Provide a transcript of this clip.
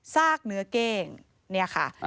ซากเนื้อเก้งเนี่ยค่ะ